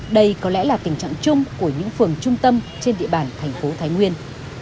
đây có lẽ là tình trạng chung của những phường trung tâm trên địa bàn thành phố thái nguyên